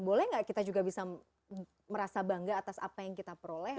boleh nggak kita juga bisa merasa bangga atas apa yang kita peroleh